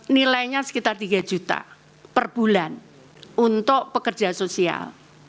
nilainya sekitar tiga juta per bulan untuk pekerja sosial